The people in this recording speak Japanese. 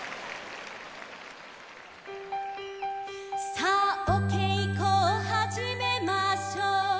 「さあおけいこをはじめましょう」